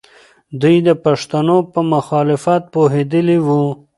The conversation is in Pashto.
دوی د پښتنو په مخالفت پوهېدلې وو.